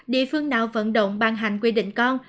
địa phương nào vận động ban hành quy định con